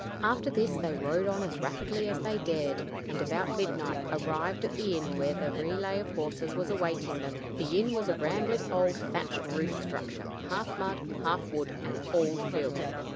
After this they rode on as rapidly as they dared, and about midnight arrived at the inn where the relay of horses was awaiting them. The inn was a rambling old thatched roofed structure, half mud, half wood, and all filth.